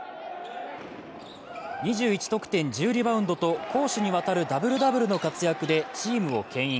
２１得点、１０リバウンドと攻守にわたるダブルダブルの活躍でチームをけん引。